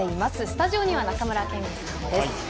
スタジオには中村憲剛さんです。